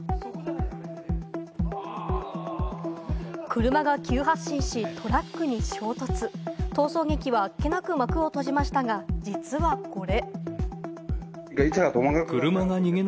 車が急発進し、トラックに衝突、逃走劇はあっけなく幕を閉じましたが、実はこれ。